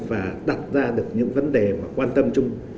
và đặt ra được những vấn đề mà quan tâm chung